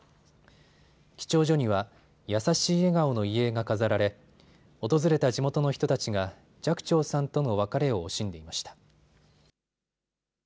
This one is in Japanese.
記帳所には優しい笑顔の遺影が飾られ、訪れた地元の人たちが寂聴さんとの別れを惜しんでいました。